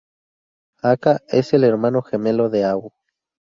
Aka: Es el hermano gemelo de Ao.